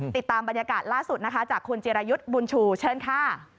ติดตามบรรยากาศล่าสุดนะคะจากคุณจิรายุทธ์บุญชูเชิญค่ะ